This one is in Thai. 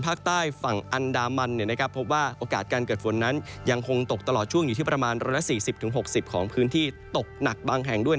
ภาคใต้ฝั่งอันดามันพบว่าโอกาสการเกิดฝนนั้นยังคงตกตลอดช่วงอยู่ที่ประมาณ๑๔๐๖๐ของพื้นที่ตกหนักบางแห่งด้วย